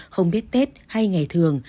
không biết tết hay ngày thường